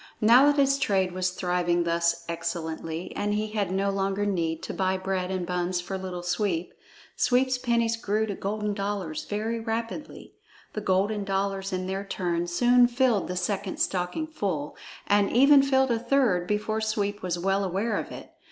Now that his trade was thriving thus excellently and he had no longer need to buy bread and buns for Little Sweep, Sweep's pennies grew to golden dollars very rapidly. The golden dollars in their turn soon filled the second stocking full, and even filled a third before Sweep was well aware of it.